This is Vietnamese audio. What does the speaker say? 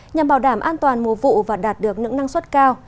nhằm bảo đảm an toàn mùa vụ và đạt được những năng suất cao